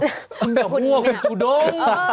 มันเป็นพวกจุดม